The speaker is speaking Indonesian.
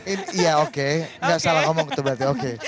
iya oke gak salah ngomong gitu berarti oke